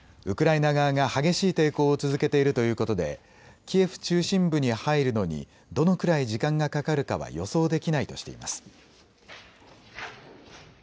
ウクライナ側が激しい抵抗を続けているということでキエフ中心部に入るのにどのくらい時間がかかるかは予想できないとしています。